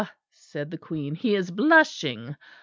said the Queen, "he is blushing!